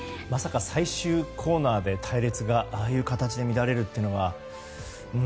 まさか最終コーナーで隊列が、ああいう形で乱れるっていうのは。